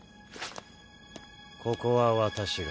ここは私が。